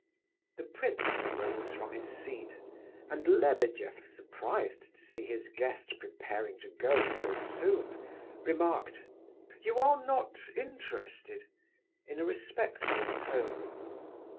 _'" The prince rose from his seat, and Lebedeff, surprised to see his guest preparing to go so soon, remarked: "You are not interested?" in a respectful tone.